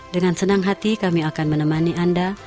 dengan senang hati kami akan menemani anda